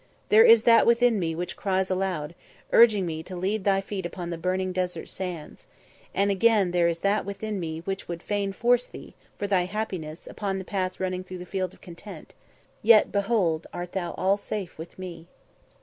There is that within me which cries aloud, urging me to lead thy feet upon the burning desert sands; and, again, there is that within me which would fain force thee, for thy happiness, upon the path running through the Field of Content. Yet, behold, art thou all safe with me."